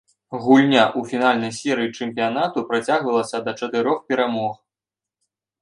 Гульня ў фінальнай серыі чэмпіянату працягвалася да чатырох перамог.